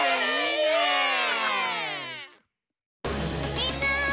みんな！